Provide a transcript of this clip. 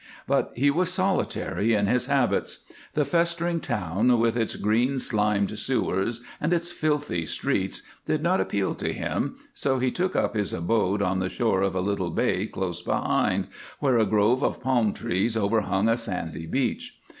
But he was solitary in his habits; the festering town, with its green slimed sewers and its filthy streets, did not appeal to him, so he took up his abode on the shore of a little bay close behind, where a grove of palm trees overhung a sandy beach.